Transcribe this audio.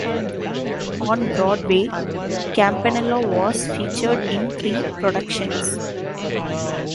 On Broadway, Campanella was featured in three productions.